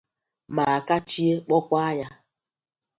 ma a kachie kpọkwa ya.